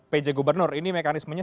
pj gubernur ini mekanismenya